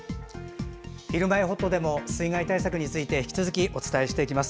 「ひるまえほっと」でも水害対策について引き続きお伝えしていきます。